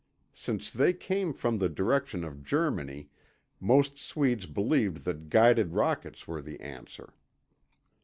Since they came from the direction of Germany, most Swedes believed that guided rockets were the answer.